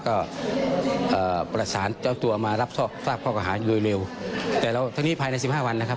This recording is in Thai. ก็เอ่อประสานเจ้าตัวมารับทราบข้อกระหายโดยเร็วแต่เราทั้งนี้ภายในสิบห้าวันนะครับ